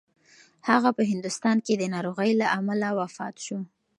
هغه په هندوستان کې د ناروغۍ له امله وفات شو.